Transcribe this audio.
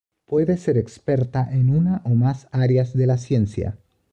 Puede ser experta en una o más áreas de la ciencia.